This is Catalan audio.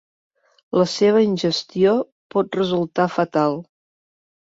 La seva ingestió pot resultar fatal.